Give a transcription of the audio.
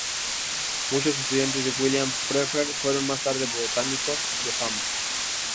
Muchos estudiantes de William Pfeffer fueron más tarde botánicos de fama.